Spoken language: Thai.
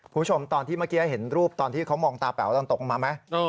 คุณผู้ชมตอนที่เมื่อกี้เห็นรูปตอนที่เขามองตาแป๋วตอนตกลงมาไหม